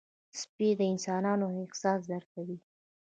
سپي د انسانانو احساس درک کوي.